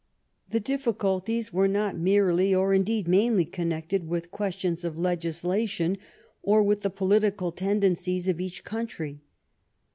The difficul ties were not merely, or indeed mainly, connected with questions of legislation or with the political ten dencies of each country.